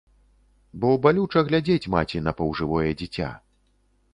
Бо балюча глядзець маці на паўжывое дзіця.